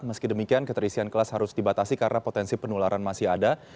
meski demikian keterisian kelas harus dibatasi karena potensi penularan masih ada